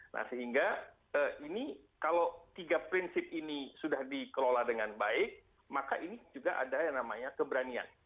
nah sehingga ini kalau tiga prinsip ini sudah dikelola dengan baik maka ini juga ada yang namanya keberanian